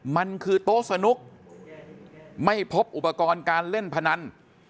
มันคือโต๊ะสนุกไม่พบอุปกรณ์การเล่นพนัน